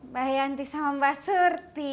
bayanti sama mbak surti